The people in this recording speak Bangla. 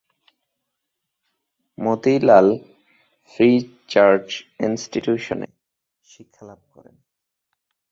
মতিলাল ফ্রী চার্চ ইনস্টিটিউশনে শিক্ষালাভ করেন।